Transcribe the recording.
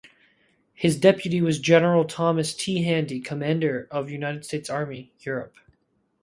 His deputy was General Thomas T. Handy, commander of United States Army, Europe.